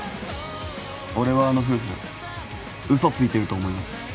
俺はあの夫婦うそついてると思います。